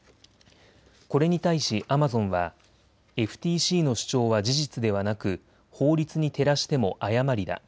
これに対しアマゾンはＦＴＣの主張は事実ではなく法律に照らしても誤りだ。